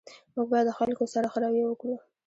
موږ باید د خلګو سره ښه رویه وکړو